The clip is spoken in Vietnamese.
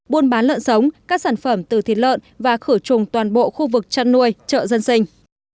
buôn bán lợn sống các sản phẩm từ thịt lợn và khử trùng toàn bộ khu vực chăn nuôi chợ dân sinh